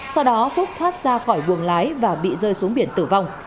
sau đó phúc thoát ra khỏi buồng lái và bị rơi xuống biển tử vong